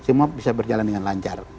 semua bisa berjalan dengan lancar